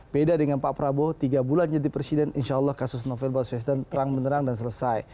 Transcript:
beda dengan pak prabowo tiga bulan jadi presiden insya allah kasus novel baswedan terang menerang dan selesai